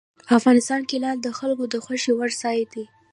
افغانستان کې لعل د خلکو د خوښې وړ ځای دی.